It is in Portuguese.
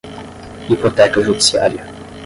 hipoteca judiciária